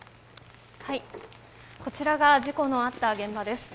こちらが事故のあった現場です。